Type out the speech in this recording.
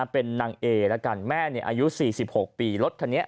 เป็นนางเอแม่อายุ๔๖ปี